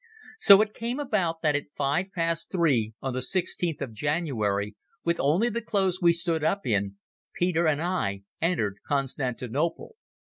So it came about that at five past three on the 16th day of January, with only the clothes we stood up in, Peter and I entered Constantinople.